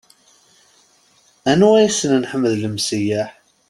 Anwa yessnen Ḥmed Lemseyyeḥ?